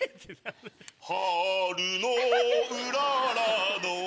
春のうららの